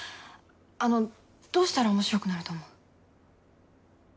あのどうしたらおもしろくなると思う？